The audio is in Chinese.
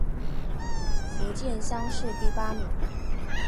福建乡试第八名。